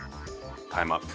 タイムアップ。